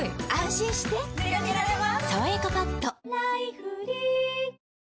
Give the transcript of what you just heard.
心してでかけられます